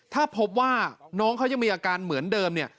ถ้าพบว่าน้องเขายังมีอาการเหมือนเดิมเนี่ย